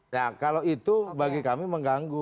nah kalau itu bagi kami mengganggu